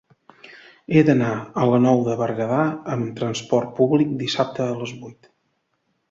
He d'anar a la Nou de Berguedà amb trasport públic dissabte a les vuit.